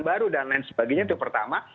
baru dan lain sebagainya itu pertama